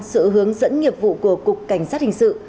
sự hướng dẫn nghiệp vụ của cục cảnh sát hình sự